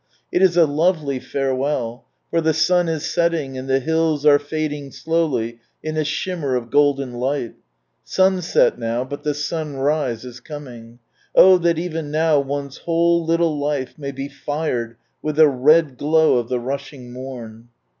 It is a lovely farewell, for the sun is setting, and the hills are fading slowly in a shim mer of golden light Sunset now, but the sunrise is coming. Oh, that one's whole little life may be " fired with the red glow of the rushing morn